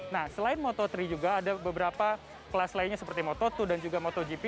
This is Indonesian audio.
nah selain moto tiga juga ada beberapa kelas lainnya seperti moto dua dan juga motogp